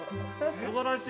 ◆すばらしい。